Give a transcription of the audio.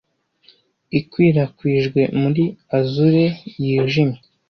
ikwirakwijwe muri azure yijimye